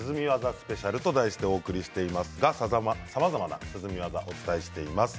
スペシャルと題してお送りしていますがさまざまな涼み技をお伝えしています。